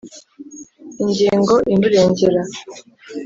Ingingo imurengera.